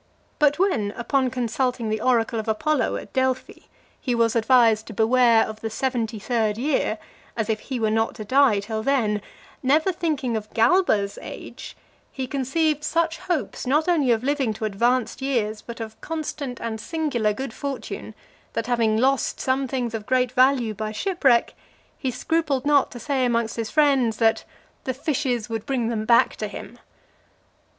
But when, upon consulting the oracle of Apollo at Delphi, he was advised to beware of the seventy third year, as if he were not to die till then, never thinking of Galba's age, he conceived such hopes, not only of living to advanced years, but of constant and singular good fortune, that having lost some things of great value by shipwreck, he scrupled not to say amongst his friends, that (371) "the fishes would bring them back to him."